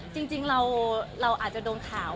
จริงเราอาจจะโดนข่าว